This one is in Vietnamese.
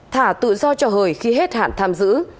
thả tự do cho hời khi hết hạn tham dự